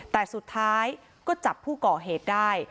แต่สุดท้ายก็จับผู้ก่อเหตุได้